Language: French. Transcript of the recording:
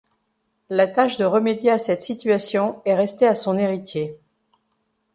La tâche de remédier à cette situation est restée à son héritier.